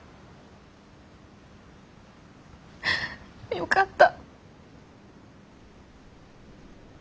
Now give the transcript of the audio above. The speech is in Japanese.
よかった。